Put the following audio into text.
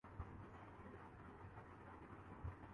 ہاں خیریت ہی ہے۔۔۔ کلاس لینے کا کوئی ارادہ ہے؟